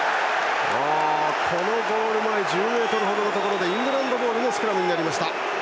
このゴール前１０ｍ程のところでイングランドボールのスクラムになりました。